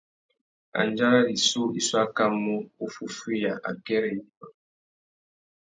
Andjara rissú i su akamú uffúffüiya akêrê yïmá.